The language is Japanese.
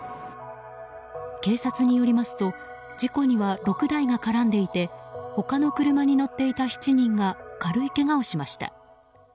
警察によりますと事故には６台が絡んでいて他の車に乗っていた７人が軽いけがをしました。